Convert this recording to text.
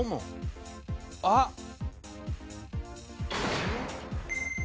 あっ！